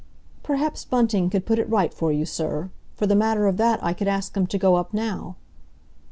"Perhaps Bunting could put it right for you, sir. For the matter of that, I could ask him to go up now."